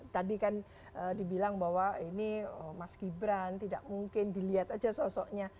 tadi kan dibilang bahwa ini mas gibran tidak mungkin dilihat aja sosoknya